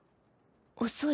遅い？